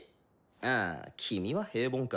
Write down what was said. ああキミは平凡か。